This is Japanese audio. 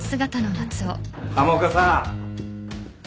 浜岡さん。